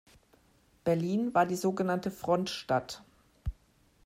Berlin war die sogenannte Frontstadt.